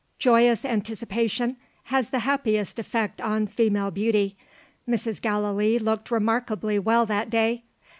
Joyous anticipation has the happiest effect on female beauty. Mrs. Gallilee looked remarkably well, that day.